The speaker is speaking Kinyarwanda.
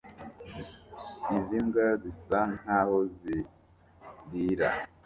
Izi mbwa zisa nkaho zirira